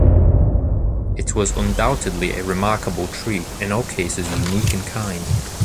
It was undoubtedly a remarkable tree, in all cases unique in kind.